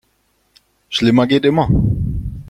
Schlimmer geht immer.